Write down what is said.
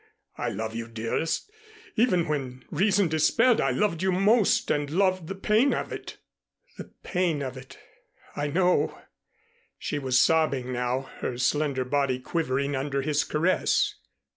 I love you, dearest. Even when reason despaired, I loved you most and loved the pain of it." "The pain of it I know." She was sobbing now, her slender body quivering under his caress.